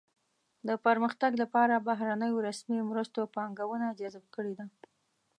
د پرمختګ لپاره بهرنیو رسمي مرستو پانګونه جذب کړې ده.